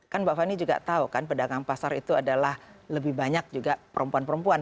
kan mbak fani juga tahu kan pedagang pasar itu adalah lebih banyak juga perempuan perempuan